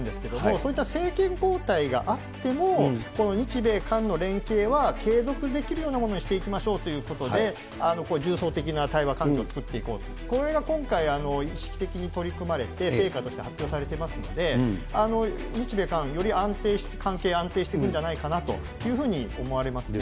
そういった政権交代があっても、日米韓の連携は継続できるようなものにしていきましょうということで、重層的な対話環境を作っていこうと、これが今回、意識的に取り組まれて、成果として発表されてますので、日米韓より安定、関係安定してくるんじゃないかというふうに思われます。